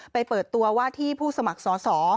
เปิดตัวว่าที่ผู้สมัครสอสอ